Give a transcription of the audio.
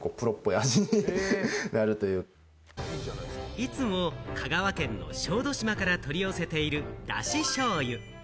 いつも香川県の小豆島から取り寄せているだししょうゆ。